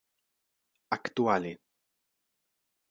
aktuale